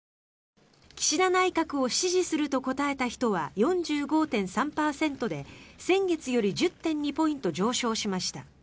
岸田内閣を支持すると答えた人は４５．３％で先月より１０．２ポイント上昇しました。